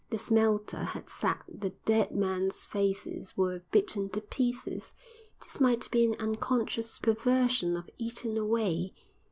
The smelter had said the dead men's faces were "bitten to pieces"; this might be an unconscious perversion of "eaten away."